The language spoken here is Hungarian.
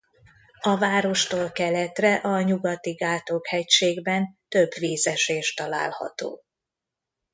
A várostól keletre a Nyugati-Ghátok hegységben több vízesés található.